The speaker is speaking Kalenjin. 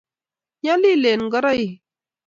nyalilen ngoroik